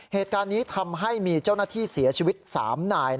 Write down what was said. เหตุการณ์นี้ทำให้มีเจ้าหน้าที่เสียชีวิต๓นาย